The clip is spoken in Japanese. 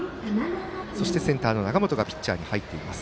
そしてセンターの永本がピッチャーに入っています。